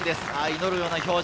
祈るような表情。